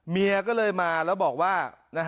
เมียก็เลยมาแล้วบอกว่า